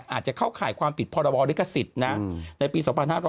อาจจะเข้าข่ายความผิดพรบลิขสิทธิ์นะในปี๒๕๕๙